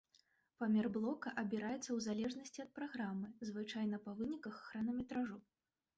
Памер блока абіраецца ў залежнасці ад праграмы, звычайна па выніках хронаметражу.